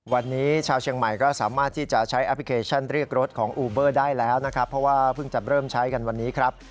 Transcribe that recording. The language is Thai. วันนี้ชาวเชียงใหม่ก็สามารถที่จะใช้แอปพลิเคชันเรียกรถของอูเบอร์ได้แล้วนะครับเพราะว่าเพิ่งจะเริ่มใช้กันวันนี้ครับ